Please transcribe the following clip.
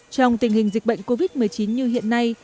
trong tình hình dịch bệnh covid một mươi chín như hiện nay